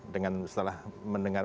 dengan setelah mendengar